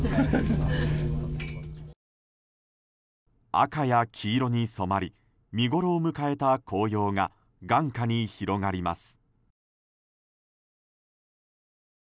赤や黄色に染まり見ごろを迎えた紅葉が眼下に広がります。